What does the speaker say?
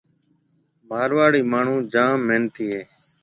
مارواڙي ماڻھون جام محنتي ھيَََ